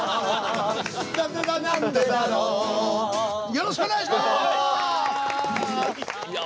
よろしくお願いします！